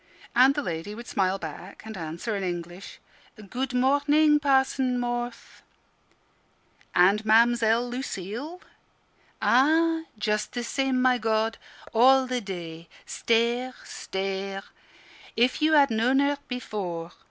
And the lady would smile back and answer in English. "Good morning, Parson Morth." "And Mamzelle Lucille?" "Ah, just the same, my God! All the day stare stare. If you had known her before!